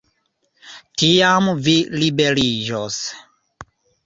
Tiam vi liberiĝos.